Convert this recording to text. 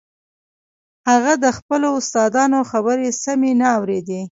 هغه د خپلو استادانو خبرې سمې نه اورېدې.